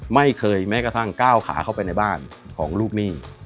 ไม่เคยแม้กระทั่งก้าวขาเข้าไปในบ้านของลูกหนี้